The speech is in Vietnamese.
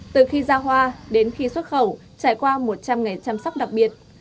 từ khi ra hoa đến khi xuất khẩu trải qua một trăm linh ngày chăm sóc đặc biệt